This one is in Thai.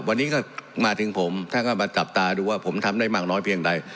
วันนี้ก็มาถึงผมท่านก็มาจับตาดูว่าผมทำได้มากน้อยเพียงใด